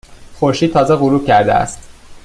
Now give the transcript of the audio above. خورشید تازه غروب کرده است.